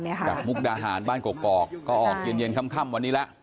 จากมุกดาหารบ้านกอกก็ออกเย็นค่ำวันนี้แล้ว